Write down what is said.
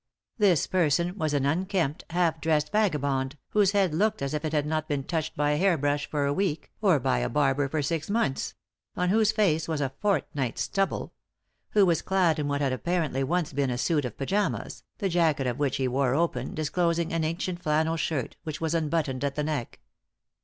This person was an unkempt, half dressed vaga bond, whose head looked as if it had not been touched by a hair brush for a week, or by a barber for six months ; on whose face was a fortnight's stubble ; who was clad in what had apparently once been a suit of pyjamas, the jacket of which he wore open, disclosing an ancient flannel shirt which was unbuttoned at the neck.